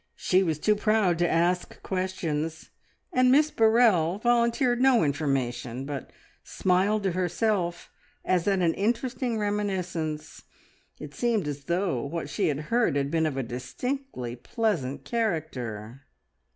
She was too proud to ask questions, and Miss Burrell volunteered no information, but smiled to herself as at an interesting reminiscence. It seemed as though what she had heard had been of a distinctly pleasant character!